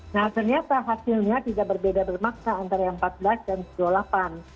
nah ternyata hasilnya tidak berbeda bermaksa antara yang empat belas dan dua puluh delapan